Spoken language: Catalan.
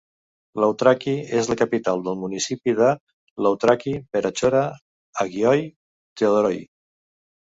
Loutraki és la capital del municipi de Loutraki-Perachora-Agioi Theodoroi.